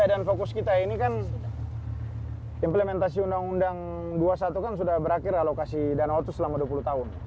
ya dan fokus kita ini kan implementasi undang undang dua puluh satu kan sudah berakhir alokasi dana otsus selama dua puluh tahun